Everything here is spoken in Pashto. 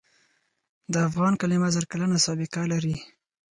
د افغان کلمه زر کلنه سابقه لري.